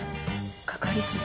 係長。